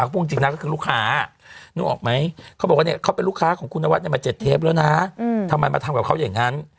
พูดจริงนะก็คือลูกค้านึกออกไหมเขาบอกว่าเนี่ยเขาเป็นลูกค้าของคุณนวัดมา๗เทปแล้วนะทำไมมาทำกับเขาอย่างนั้น